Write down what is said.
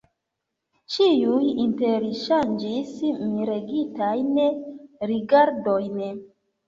Ĉiuj interŝanĝis miregitajn rigardojn.